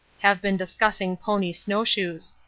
Have been discussing pony snowshoes.